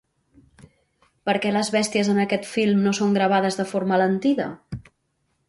Per què les bèsties en aquest film no són gravades de forma alentida?